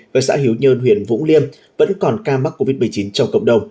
với xã hiếu nhơn huyện vũng liêm vẫn còn ca mắc covid một mươi chín trong cộng đồng